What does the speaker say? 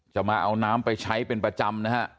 มาเอาน้ำไปใช้เป็นประจำนะฮะ